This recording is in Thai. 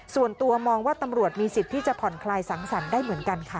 ส่วนตัวมองว่าตำรวจมีสิทธิ์ที่จะผ่อนคลายสังสรรค์ได้เหมือนกันค่ะ